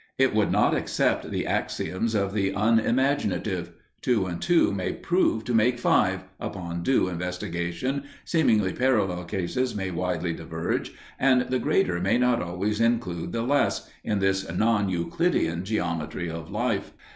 It will not accept the axioms of the unimaginative; two and two may prove to make five, upon due investigation, seemingly parallel cases may widely diverge, and the greater may not always include the less, in this non Euclidean Geometry of Life.